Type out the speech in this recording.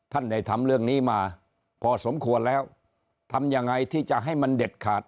ท่านได้ทำเรื่องนี้มาพอสมควรแล้วทำยังไงที่จะให้มันเด็ดขาด